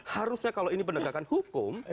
harusnya kalau ini penegakan hukum